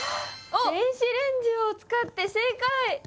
「電子レンジを使って」正解！